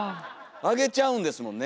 あげちゃうんですもんね。